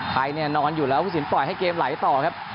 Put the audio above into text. ไทยเนี่ยนอนอยู่แล้วผู้สินปล่อยให้เกมไหลต่อครับ